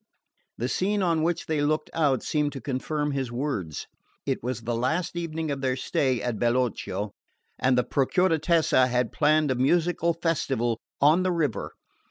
The scene on which they looked out seemed to confirm his words. It was the last evening of their stay at Bellocchio, and the Procuratessa had planned a musical festival on the river.